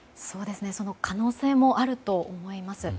その可能性もあると思います。